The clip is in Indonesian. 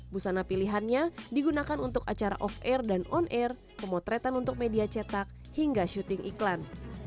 busana pilihannya digunakan untuk acara off air dan on air pemotretan untuk media cetak hingga syuting iklan